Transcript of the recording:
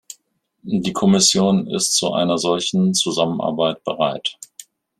Die Kommission ist zu einer solchen Zusammenarbeit bereit.